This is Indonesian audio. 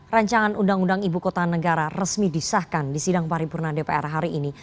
rancangan undang undang ibu kota negara resmi disahkan di sidang paripurna dpr hari ini